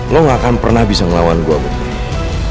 lo gak akan pernah bisa ngelawan gue gitu